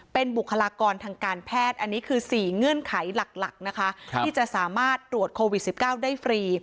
เป็นบุคลากรทางการแพทย์อันนี้คือ๔เงื่อนไขหลักนะคะที่จะสามารถตรวจโควิด๑๙ได้ฟรี